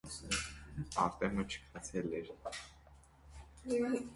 Արտեմը չքացել էր: